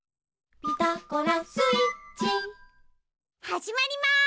はじまります！